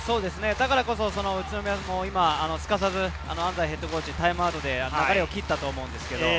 だからこそ宇都宮はすかさず、安齋ヘッドコーチはタイムアウトで流れを切ったと思います。